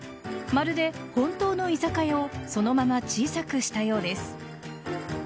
まるで本当の居酒屋をそのまま小さくしたようです。